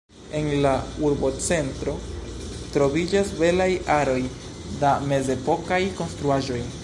En la urbocentro troviĝas belaj aroj da mezepokaj konstruaĵoj.